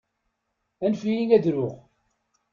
Anef-iyi ad ruɣ.